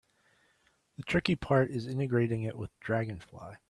The tricky part is integrating it with Dragonfly.